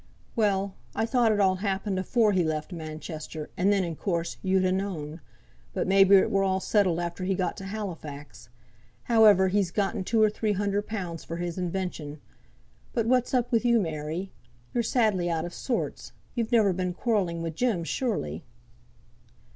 "Well, I thought it all happened afore he left Manchester, and then in course you'd ha' known. But may be it were all settled after he got to Halifax; however, he's gotten two or three hunder pounds for his invention. But what's up with you, Mary? you're sadly out o' sorts. You've never been quarrelling wi' Jem, surely?"